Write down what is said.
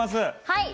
はい！